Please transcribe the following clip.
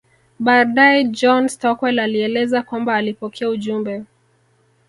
Baadae John Stockwell alieleza kwamba alipokea ujumbe